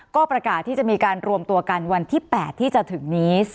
ก็ประกาศที่จะมีการรวมตัวกันวันที่๘ที่จะถึงนี้